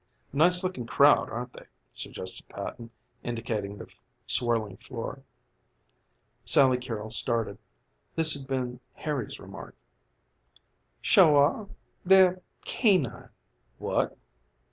"Nice looking crowd aren't they?" suggested Patton, indicating the swirling floor. Sally Carrol started. This had been Harry's remark. "Sure are! They're canine." "What?"